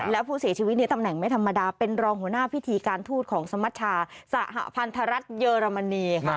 แล้วผู้เสียชีวิตในตำแหน่งไม่ธรรมดาเป็นรองหัวหน้าพิธีการทูตของสมชาสหพันธรัฐเยอรมนีค่ะ